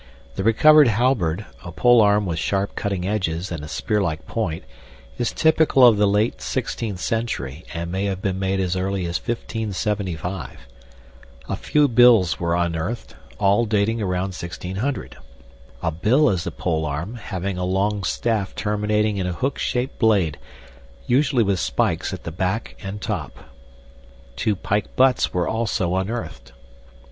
The recovered halberd (a polearm with sharp cutting edges and a spearlike point) is typical of the late 16th century, and may have been made as early as 1575. A few bills were unearthed, all dating around 1600. (A bill is a polearm, having a long staff terminating in a hook shaped blade, usually with spikes at the back and top.) Two pike butts were also unearthed.